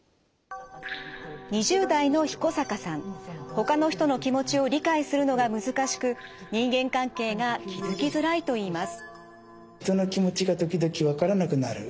ほかの人の気持ちを理解するのが難しく人間関係が築きづらいといいます。